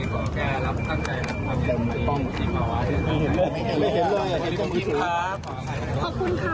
ขอบคุณค่ะ